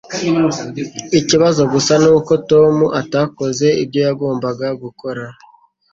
Ikibazo gusa ni uko Tom atakoze ibyo yagombaga gukora